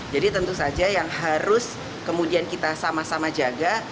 jadi tentu saja yang harus kemudian kita sama sama jaga